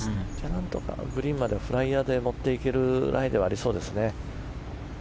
何とかグリーンまでフライヤーで持っていけるライではありそうですね。